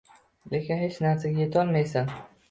Lekin hech narsaga yetolmaysan